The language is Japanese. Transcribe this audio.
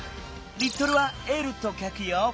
リットルは「Ｌ」とかくよ。